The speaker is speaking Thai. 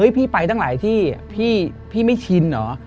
พี่ไปตั้งหลายที่พี่ไม่ชินเหรอ